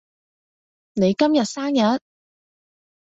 你今日生日？